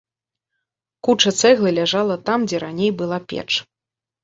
Куча цэглы ляжала там, дзе раней была печ.